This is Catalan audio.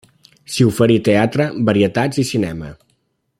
S'hi oferí teatre, varietats i cinema.